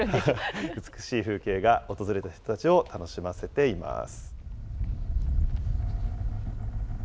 美しい風景が訪れた人たちを楽しませています。